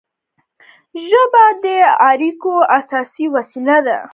ژبه د اړیکو اساسي وسیله ده.